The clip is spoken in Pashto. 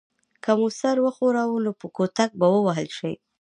که مو سر وښوراوه نو په کوتک به ووهل شئ.